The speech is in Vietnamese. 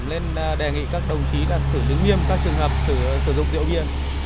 nên đề nghị các đồng chí là xử lý nghiêm các trường hợp sử dụng rượu bia